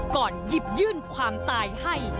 ก่อนหยิบยื่นความตายให้